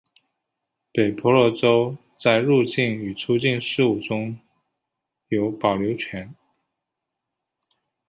北婆罗洲在入境与出境事务中有保留权。